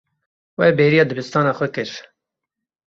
We bêriya dibistana xwe kir.